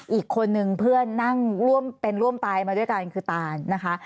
อีกคนนึงเพื่อนนั่งร่วมเป็นร่วมตายมาด้วยกันคือตานนะคะ